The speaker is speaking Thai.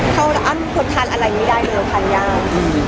คนทานอะไรไม่ได้แล้วทานยาว